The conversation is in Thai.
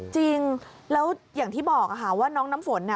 จริงแล้วอย่างที่บอกค่ะว่าน้องน้ำฝน